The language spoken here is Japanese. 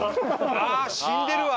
ああー死んでるわ！